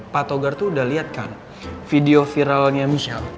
pak toga tuh udah liat kan video viralnya michelle